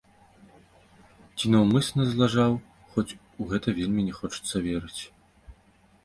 Ці наўмысна злажаў, хоць у гэта вельмі не хочацца верыць.